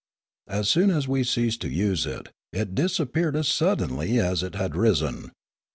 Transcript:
As soon as we ceased to use it, it disappeared as suddenly as it had risen.